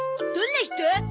どんな人？